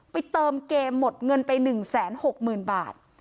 เติมเกมหมดเงินไป๑๖๐๐๐บาท